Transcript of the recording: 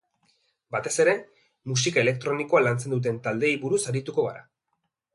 Batez ere, musika elektronikoa lantzen duten taldeei buruz arituko gara.